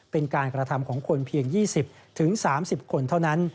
เป็นการกระทำของคนเพียง๒๐๓๐คนเท่านั้น